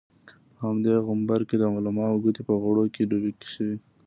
په همدې غومبر کې د علماوو ګوتې په غوړو کې ډوبې شوې.